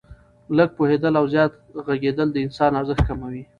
لږ پوهېدل او زیات ږغېدل د انسان ارزښت کموي.